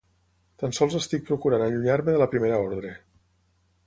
Tan sols estic procurant allunyar-me de la Primera Ordre.